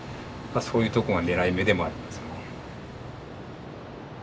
そういうとこが狙い目でもありますよね。